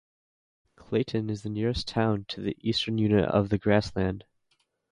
Clayton is the nearest town to the eastern unit of the Grassland.